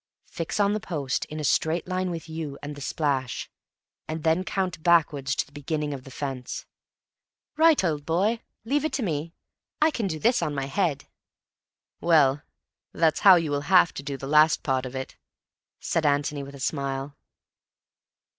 "Fix on the post in a straight line with you and the splash, and then count backwards to the beginning of the fence." "Right, old boy. Leave it to me. I can do this on my head." "Well, that's how you will have to do the last part of it," said Antony with a smile.